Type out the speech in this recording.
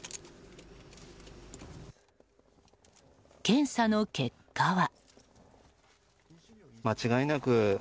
検査の結果は。